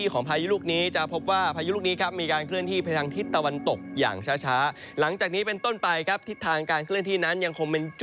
ก็คือจุดนี้นั่นเอง